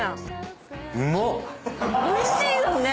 おいしいよね。